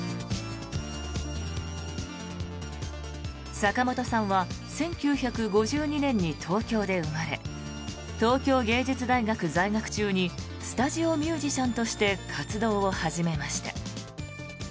坂本さんは１９５２年に東京で生まれ東京芸術大学在学中にスタジオミュージシャンとして活動を始めました。